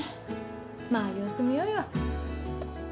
まあ、様子見ようよ。